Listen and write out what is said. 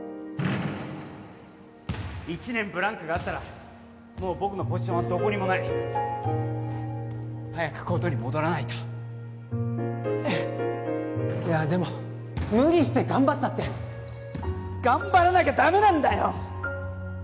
１年ブランクがあったらもう僕のポジションはどこにもない早くコートに戻らないといやでも無理して頑張ったって頑張らなきゃダメなんだよ！